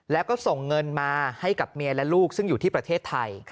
แล้วก็ส่งเงินมาให้กับเมียและลูกซึ่งอยู่ที่ประเทศไทย